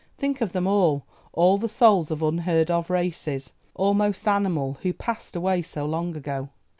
Think of them all—all the souls of unheard of races, almost animal, who passed away so long ago.